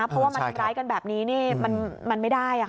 เพราะว่ามาทำร้ายกันแบบนี้มันไม่ได้